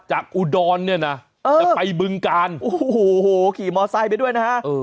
อุดรเนี่ยนะจะไปบึงการโอ้โหขี่มอไซค์ไปด้วยนะฮะ